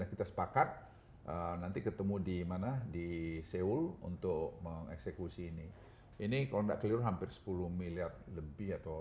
kita sepakat nanti ketemu di mana di seoul untuk mengeksekusi ini ini kalau enggak keliru hampir sepuluh miliar lebih atau